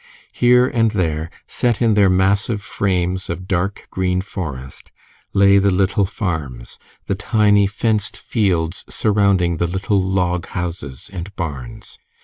Here and there, set in their massive frames of dark green forest, lay the little farms, the tiny fenced fields surrounding the little log houses and barns.